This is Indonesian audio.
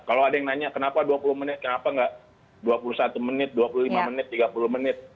kalau ada yang nanya kenapa dua puluh menit kenapa nggak dua puluh satu menit dua puluh lima menit tiga puluh menit